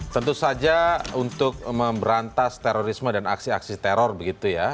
tentu saja untuk memberantas terorisme dan aksi aksi teror begitu ya